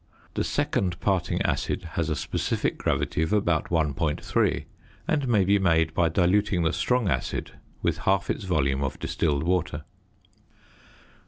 The second parting acid has a specific gravity of about 1.3, and may be made by diluting the strong acid with half its volume of distilled water.